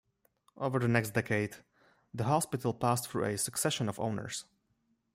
Over the next decade, the hospital passed through a succession of owners.